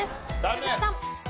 鈴木さん。